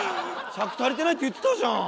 尺足りてないって言ってたじゃん！